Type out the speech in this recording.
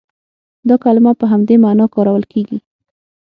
دا کلمه په همدې معنا کارول کېږي.